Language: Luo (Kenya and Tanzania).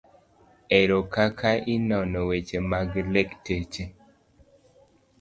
Ere kaka inono weche mag lakteche